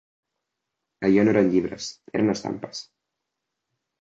Allò no eren llibres, eren estampes